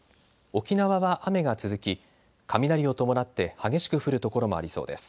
沖縄は雨が続き雷を伴って激しく降る所もありそうです。